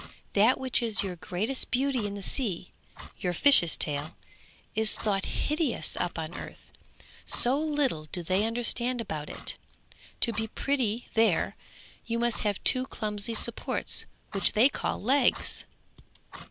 That which is your greatest beauty in the sea, your fish's tail, is thought hideous up on earth, so little do they understand about it; to be pretty there you must have two clumsy supports which they call legs!'